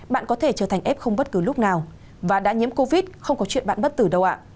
bạn có thể trở thành f không bất cứ lúc nào và đã nhiễm covid không có chuyện bạn bất tử đâu ạ